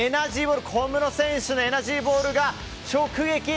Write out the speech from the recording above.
小室選手のエナジーボールが直撃。